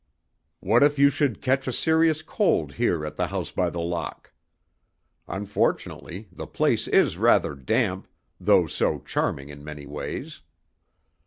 What if you should catch a serious cold here at the House by the Lock? Unfortunately, the place is rather damp, though so charming in many ways.